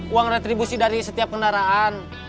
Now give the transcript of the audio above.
uang retribusi dari setiap kendaraan